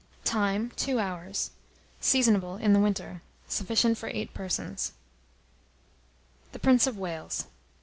Time. 2 hours. Seasonable in the winter. Sufficient for 8 persons. THE PRINCE Of WALES.